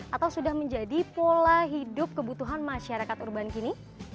atau sudah menjadi pola hidup kebutuhan masyarakat urban kini